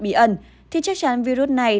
bí ẩn thì chắc chắn virus này